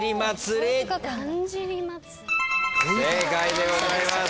正解でございます。